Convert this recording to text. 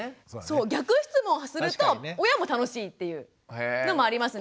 そう逆質問すると親も楽しいっていうのもありますね。